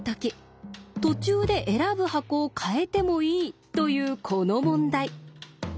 途中で選ぶ箱を変えてもいいというこの問題。